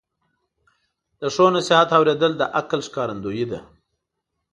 د ښو نصیحت اوریدل د عقل ښکارندویي ده.